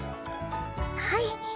はい。